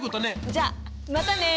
じゃあまたね。